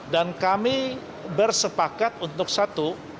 dan kami bersepakat untuk satu